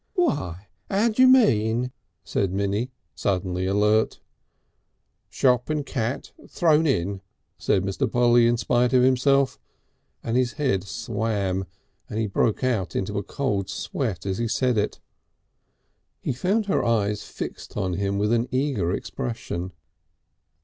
"Why! 'ow d'you mean?" said Minnie, suddenly alert. "Shop and cat thrown in," said Mr. Polly in spite of himself, and his head swam and he broke out into a cold sweat as he said it. He found her eyes fixed on him with an eager expression.